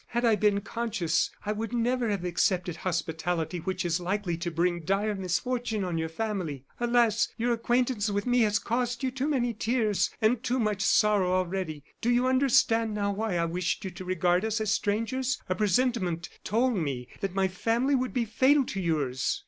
"Had I been conscious, I would never have accepted hospitality which is likely to bring dire misfortune on your family. Alas! your acquaintance with me has cost you too many tears and too much sorrow already. Do you understand now why I wished you to regard us as strangers? A presentiment told me that my family would be fatal to yours!"